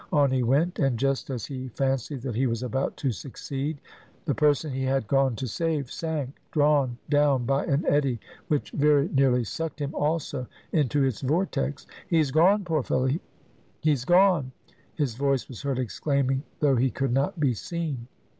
On he went, and just as he fancied that he was about to succeed, the person he had gone to save sank, drawn down by an eddy, which very nearly sucked him also into its vortex. "He's gone, poor fellow, be's gone!" his voice was heard exclaiming, though he could not be seen.